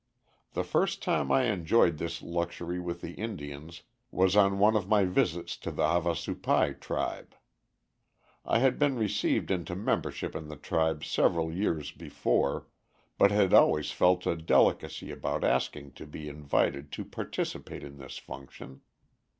The first time I enjoyed this luxury with the Indians was on one of my visits to the Havasupai tribe. I had been received into membership in the tribe several years before, but had always felt a delicacy about asking to be invited to participate in this function.